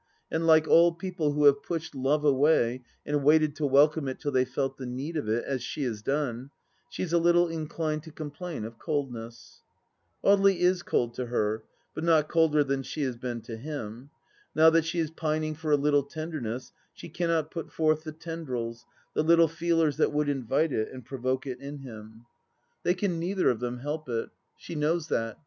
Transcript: And like all people who have pushed love away, and waited to welcome it till they felt the need of it, as she has done, she is a little inclined to complain of coldness. Audely is cold to her, but not colder than she has been to him. Now that she is pining for a little tenderness she cannot put forth the tendrils, the little feelers that would invite it and provoke it in him. 808 THE LAST DITCH They can neither of them help it. She knows that.